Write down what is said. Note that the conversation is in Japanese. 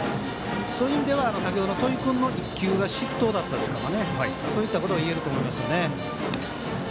そういう意味では戸井君への１球が失投でしたからそういったことがいえると思います。